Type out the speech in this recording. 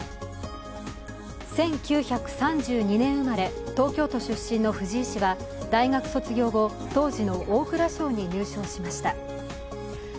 １９３２年生まれ、東京都出身の藤井氏は大学卒業後、当時の大蔵省に入省しました。